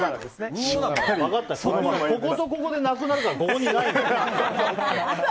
こことこことでなくなるから、ここにないんだ。